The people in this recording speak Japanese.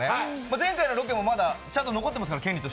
前回のロケも、まだ権利としてはちゃんと残ってますから。